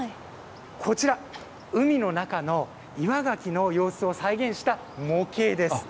こちら、海の中の岩がきの様子を再現した模型です。